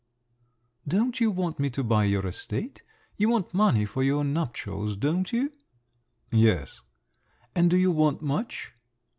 "Don't you want me to buy your estate? You want money for your nuptials? Don't you?" "Yes." "And do you want much?"